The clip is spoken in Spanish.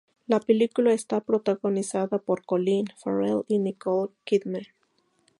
La película está protagonizada por Colin Farrell y Nicole Kidman.